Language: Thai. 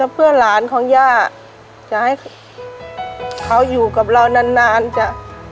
เพื่อหลานของย่าจะให้เขาอยู่กับเรานานจ้ะ